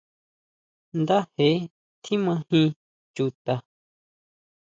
Ndaje tjimajin Chuta.